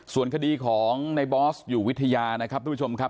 ส่วนคดีของในบอสอยู่วิทยานะครับทุกผู้ชมครับ